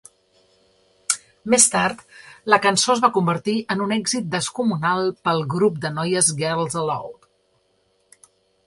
Més tard, la cançó es va convertir en un èxit descomunal per al grup de noies Girls Aloud.